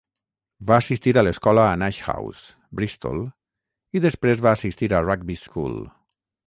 Va assistir a l'escola a Nash House, Bristol, i després va assistir a Rugby School.